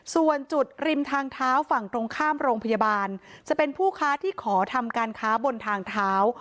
ส่วนจุดริมทางเท้าฝั่งตรงข้ามโรงพยาบาลจะเป็นผู้ค้าที่ขอทำการค้าบนทางเท้า